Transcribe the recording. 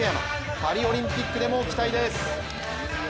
パリオリンピックでも期待です。